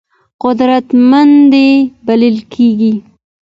قدرتمند بلل کېږي.